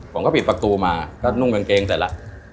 ผมก็ปิดประตูมาก็นุ่งกางเกงเสร็จแล้ว